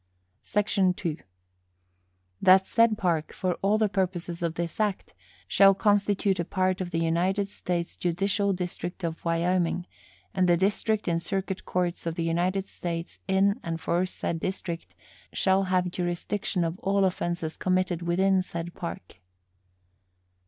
SEC. 2. That said Park, for all the purposes of this Act, shall constitute a part of the United States judicial district of Wyoming, and the district and circuit courts of the United States in and for said district shall have jurisdiction of all offenses committed within said Park.